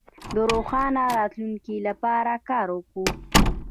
د روښانه راتلونکي لپاره کار کوو.